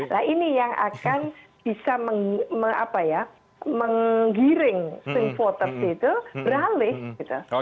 nah ini yang akan bisa menggiring swing voters itu beralih gitu